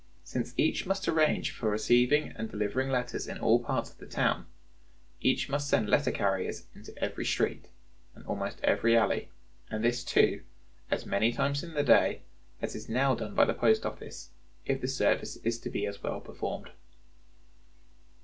Since each must arrange for receiving and delivering letters in all parts of the town, each must send letter carriers into every street, and almost every alley, and this, too, as many times in the day as is now done by the Post Office, if the service is to be as well performed.